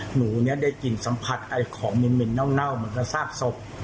หนูเนี่ยได้กลิ่นสัมผัสของเหม็นเน่าเหมือนกับซากศพ